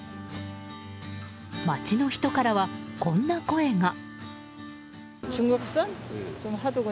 街の人からは、こんな声が。